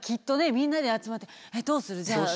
みんなで集まってえどうする？